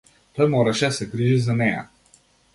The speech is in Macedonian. Тој мораше да се грижи за неа.